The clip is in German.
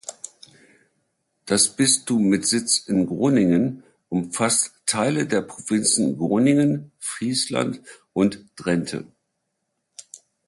Das Bistum mit Sitz in Groningen umfasst Teile der Provinzen Groningen, Friesland und Drenthe.